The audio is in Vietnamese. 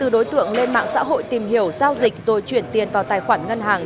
hai mươi đối tượng lên mạng xã hội tìm hiểu giao dịch rồi chuyển tiền vào tài khoản ngân hàng